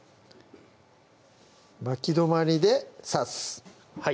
巻き止まりで刺すはい